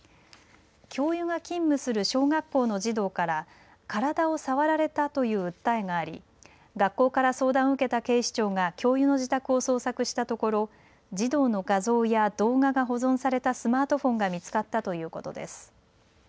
教諭が勤務する小学校の児童から体を触られたという訴えがあり学校から相談を受けた警視庁が教諭の自宅を捜索したところ児童の画像や動画が保存されたスマートフォンが見つかったということです。